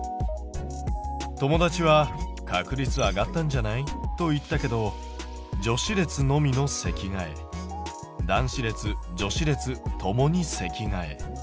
友達は「確率上がったんじゃない？」と言ったけど女子列のみの席替え男子列・女子列共に席替え。